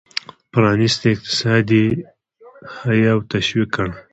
پرانیستی اقتصاد یې حیه او تشویق کړ.